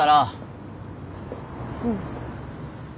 うん。